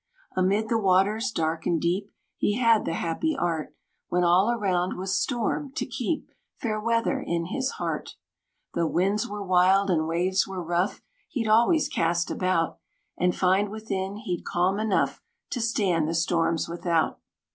Amid the waters dark and deep, He had the happy art, When all around was storm, to keep Fair weather in his heart. Though winds were wild, and waves were rough, He'd always cast about, And find within he'd calm enough To stand the storms without.